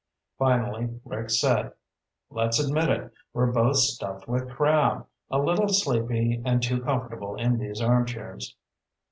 Finally Rick said, "Let's admit it. We're both stuffed with crab, a little sleepy, and too comfortable in these armchairs."